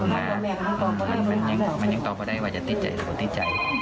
มันยังตอบเขาได้ว่าจะติดใจหรือติดใจ